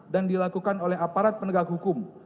dan dilakukan oleh aparat penegak hukum